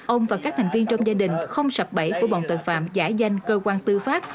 ông và các thành viên trong gia đình không sập bẫy của bọn tội phạm giả danh cơ quan tư pháp